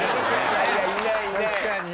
いやいやいないいない。